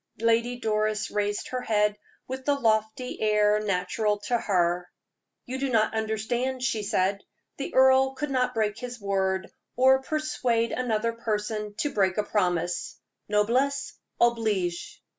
Lady Doris raised her head with the lofty air natural to her. "You do not understand," she said. "The earl could not break his word, or persuade another person to break a promise. _Noblesse oblige!